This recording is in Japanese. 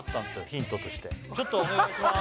ヒントとしてちょっとお願いします